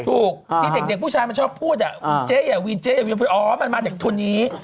ถูกที่เด็กผู้ชายมันชอบพูดเจ๋ยาวีนโอ้มันมาจากทนนี้